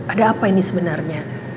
ada apa ini sebenarnya